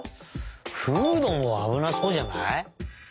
フードもあぶなそうじゃない？